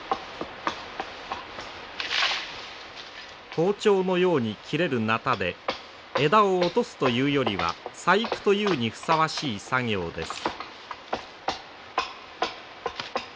包丁のように切れるナタで枝を落とすと言うよりは細工と言うにふさわしい作業です。